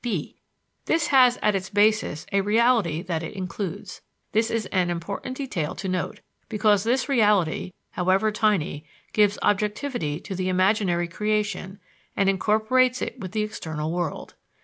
b. This has as its basis a reality that it includes. This is an important detail to note, because this reality, however tiny, gives objectivity to the imaginary creation and incorporates it with the external world.